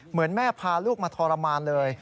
เหมือนแม่พาลูกมาทรมานเลย